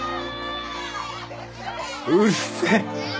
うるせえ。